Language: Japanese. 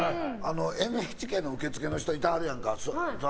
ＮＨＫの受付の人いてやるやんか。